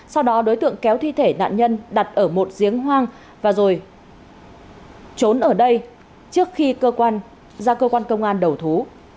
sau đó đối tượng kéo thi thể nạn nhân đặt ở một giếng hoang và rồi trốn ở đây trước khi cơ quan ra cơ quan công an đầu thú